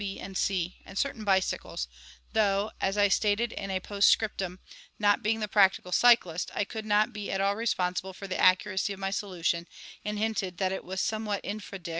B. and C., and certain bicycles, though, as I stated in a postscriptum, not being the practical cyclist, I could not be at all responsible for the accuracy of my solution, and hinted that it was somewhat _infra dig.